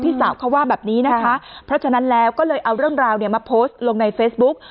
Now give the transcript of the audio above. สาวเขาว่าแบบนี้นะคะเพราะฉะนั้นแล้วก็เลยเอาเรื่องราวเนี่ยมาโพสต์ลงในเฟซบุ๊ก